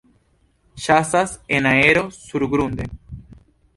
Ĉasas el aero surgrunde.